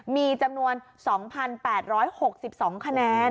มีจำนวน๒๘๖๒คะแนน